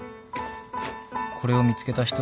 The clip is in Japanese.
「これを見つけた人へ」